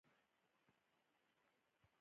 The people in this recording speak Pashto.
اداره ګډه وډه شوه.